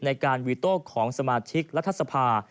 ในการวีโต้ของสมาชิกรัฐสภา